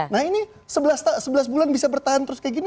nah ini sebelas bulan bisa bertahan terus kayak gini